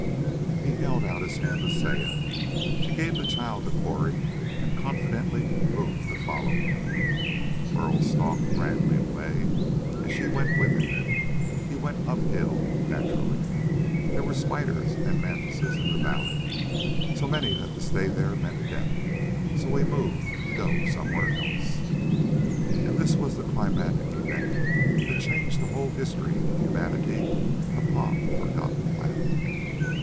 He held out his hand to Saya. She gave the child to Cori and confidently moved to follow him. Burl stalked grandly away and she went with him. He went uphill. Naturally! There were spiders and mantises in the valley, so many that to stay there meant death. So he moved to go somewhere else. And this was the climactic event that changed the whole history of humanity upon the forgotten planet.